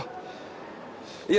saya harus berteruskan ke rumah